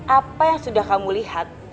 apa yang sudah kamu lihat